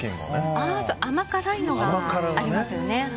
甘辛いのがありますよね。